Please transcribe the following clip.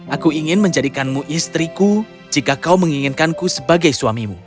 aku ingin menjadikanmu istriku jika kau menginginkanku sebagai suamimu